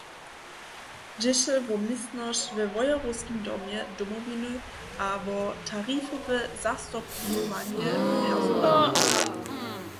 Dźěše wo městnosć we Wojerowskim domje Domowiny a wo tarifowe zastopnjowanje personala.